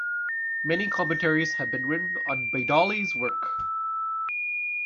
Many commentaries have been written on Baidawi's work.